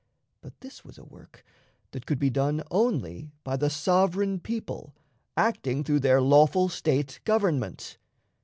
But this was a work that could be done only by the sovereign people acting through their lawful State government.